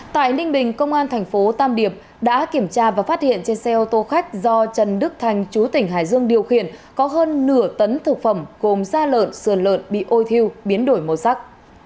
tại ninh bình công an thành phố tam điệp đã kiểm tra và phát hiện trên xe ô tô khách do trần đức thành chú tỉnh hải dương điều khiển có hơn nửa tấn thực phẩm gồm da lợn sườn lợn bị ôi thiêu biến đổi màu sắc